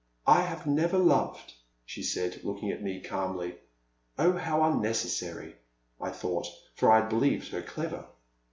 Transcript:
I have never loved,*' she said, looking at me calmly. Oh, how unnecessary !I thought, for I had believed her clever.